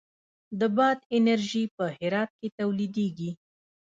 د باد انرژي په هرات کې تولیدیږي